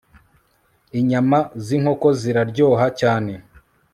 Inyama zinkoko ziraryoha cyane